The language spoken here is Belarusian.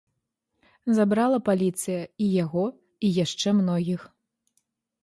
Забрала паліцыя і яго і яшчэ многіх.